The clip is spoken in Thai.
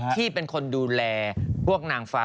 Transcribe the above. ที่เป็นคนดูแลพวกนางฟ้า